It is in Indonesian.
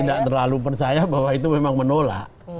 tidak terlalu percaya bahwa itu memang menolak